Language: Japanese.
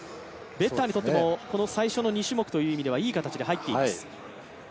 ベッターにとってもこの最初の２種目という意味ではいい形で入っています。